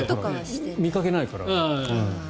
見かけないから。